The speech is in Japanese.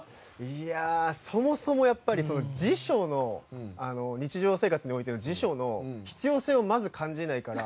いやあそもそもやっぱり辞書の日常生活においての辞書の必要性をまず感じないから。